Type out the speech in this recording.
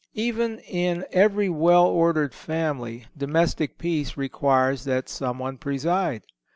Even in every well ordered family, domestic peace requires that someone preside.